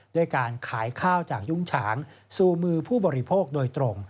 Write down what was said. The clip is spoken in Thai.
ด้วยการขายข้าวจากยุ่งฉางสู่มือผู้บริโภคโดยตรง